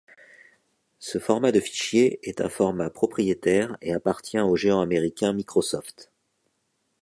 Ce format de fichier est un format propriétaire et appartient au géant américain Microsoft.